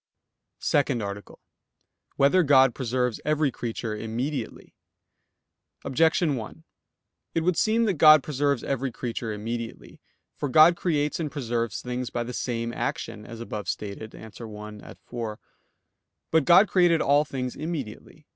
_______________________ SECOND ARTICLE [I, Q. 104, Art. 2] Whether God Preserves Every Creature Immediately? Objection 1: It would seem that God preserves every creature immediately. For God creates and preserves things by the same action, as above stated (A. 1, ad 4). But God created all things immediately.